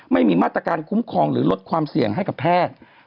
ไม่มีมาตรการคุ้มครองหรือลดความเสี่ยงให้กับแพทย์